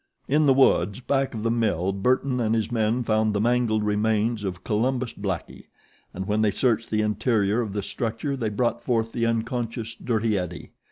In the woods back of the mill Burton and his men found the mangled remains of Columbus Blackie, and when they searched the interior of the structure they brought forth the unconscious Dirty Eddie.